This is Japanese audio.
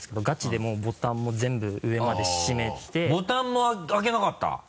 ガチでボタンも全部上までしめてボタンも開けなかった？